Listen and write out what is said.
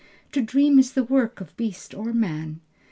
To dream is the work Of beast or man.